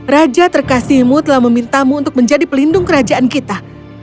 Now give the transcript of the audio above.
raja terkasihmu telah memintamu untuk menjadi pelindung kerajaan kita